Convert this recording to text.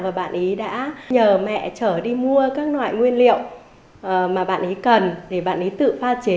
và bạn ấy đã nhờ mẹ trở đi mua các loại nguyên liệu mà bạn ấy cần để bạn ấy tự pha chế